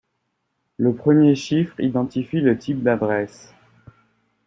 Le premier chiffre identifie le type d'adresse.